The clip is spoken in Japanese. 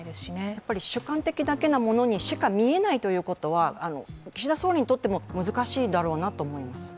やはり主観的なものだけにしか見えないということは岸田総理にとっても難しいだろうなと思うんです。